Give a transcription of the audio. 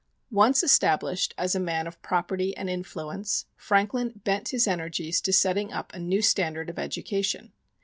Once established as a man of property and influence, Franklin bent his energies to setting up a new standard of education.